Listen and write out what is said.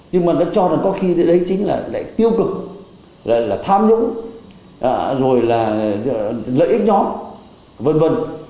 nhưng mà nó cho rằng có khi đấy chính là lại tiêu cực là tham nhũng rồi là lợi ích nhóm v v